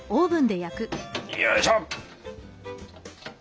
よいしょ。